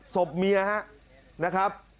ศพเมียนะครับ